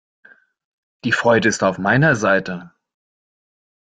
Die Freude ist auf meiner Seite!